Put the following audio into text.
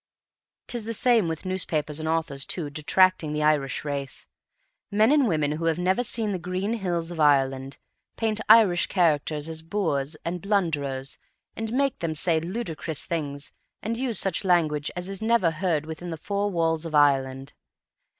'Tis the same with newspapers and authors, too, detracting the Irish race. Men and women who have never seen the green hills of Ireland, paint Irish characters as boors and blunderers and make them say ludicrous things and use such language as is never heard within the four walls of Ireland.